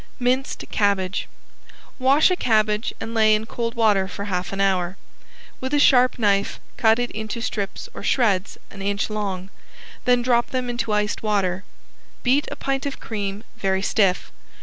~MINCED CABBAGE~ Wash a cabbage and lay in cold water for half an hour. With a sharp knife cut it into strips or shreds, an inch long, then drop them into iced water. Beat a pint of cream very stiff.